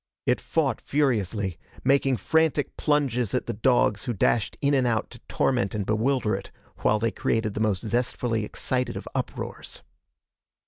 It fought furiously, making frantic plunges at the dogs who dashed in and out to torment and bewilder it while they created the most zestfully excited of uproars.